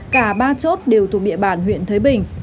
cả ba chốt đều thuộc địa bàn huyện thới bình